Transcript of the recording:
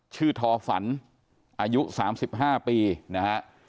ทอฝันอายุ๓๕ปีนะฮะ